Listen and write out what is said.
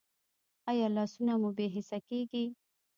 ایا لاسونه مو بې حسه کیږي؟